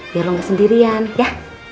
biar lo gak sendirian ya